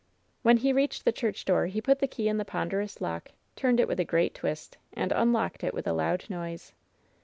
When he reached the church door he put the key in the ponderous lock, turned it with a great twist, and imlocked it with a loud noise.